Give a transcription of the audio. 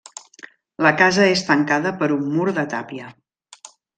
La casa és tancada per un mur de tàpia.